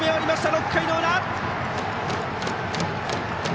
６回の裏！